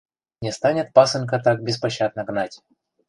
Не станет пасынка так беспощадно гнать